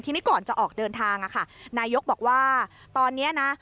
ทีนี้ก่อนจะออกเดินทางนายกบอกว่าตอนนี้นะ